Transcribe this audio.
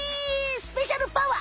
スペシャルパワー！